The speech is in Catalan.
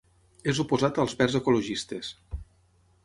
És oposat als Verds Ecologistes.